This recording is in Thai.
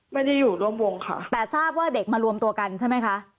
ไม่ได้อยู่ร่วมวงค่ะแต่ทราบว่าเด็กมารวมตัวกันใช่ไหมคะ